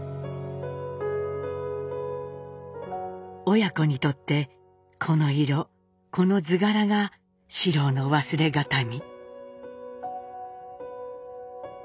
親子にとってこの色この図柄が四郎の忘れ形見。